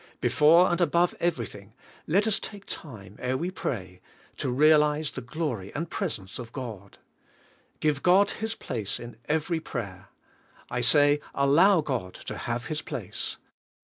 Be fore and above everything^ let us take time ere we pray to realize the glory and presence of God. Give God His place in every prayer. I say, allow God to have His place.